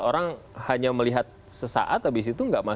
orang hanya melihat sesaat habis itu gak masuk ke kepala mereka